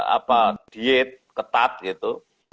apa diet ketat gitu